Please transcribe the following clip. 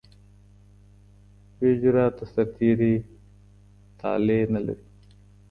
بې جراته سرتیري طالع نه لري.